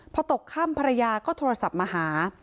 พอตกข้ามพระยาก็โทรศัพท์มาหา